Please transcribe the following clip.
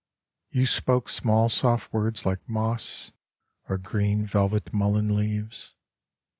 You spoke small soft words like moss Or green velvet mullein leaves.